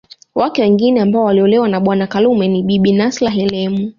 Wake wengine ambao waliolewa na Bwana Karume ni Bibi Nasra Helemu